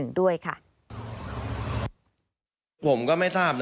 ฟังเสียงอาสามูลละนิทีสยามร่วมใจ